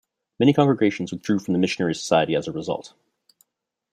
Many congregations withdrew from the missionary society as a result.